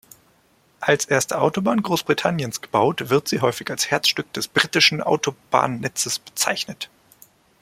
Als erste Autobahn Großbritanniens gebaut, wird sie häufig als Herzstück des britischen Autobahnnetzes bezeichnet.